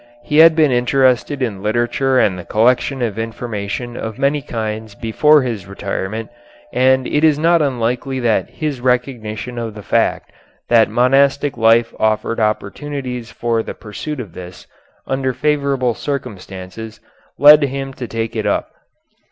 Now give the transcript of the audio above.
He had been interested in literature and the collection of information of many kinds before his retirement, and it is not unlikely that his recognition of the fact that the monastic life offered opportunities for the pursuit of this, under favorable circumstances, led him to take it up.